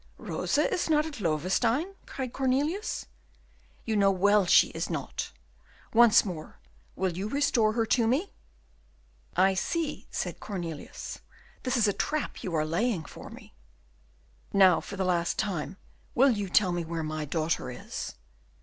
"Rosa is not at Loewestein?" cried Cornelius. "You know well she is not. Once more, will you restore her to me?" "I see," said Cornelius, "this is a trap you are laying for me." "Now, for the last time, will you tell me where my daughter is?"